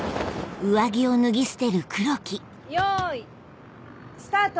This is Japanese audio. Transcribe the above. よいスタート！